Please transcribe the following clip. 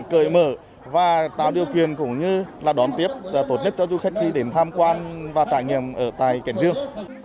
cởi mở và tạo điều kiện cũng như là đón tiếp tốt nhất cho du khách khi đến tham quan và trải nghiệm ở tại cảnh dương